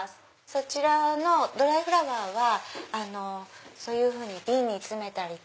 そちらのドライフラワーはそういうふうに瓶に詰めたり。